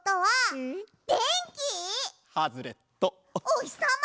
おひさま？